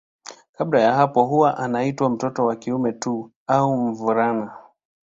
Kabla ya hapo huwa anaitwa mtoto wa kiume tu au mvulana.